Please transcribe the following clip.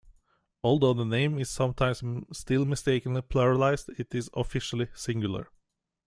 Although the name is sometimes still mistakenly pluralized, it is officially singular.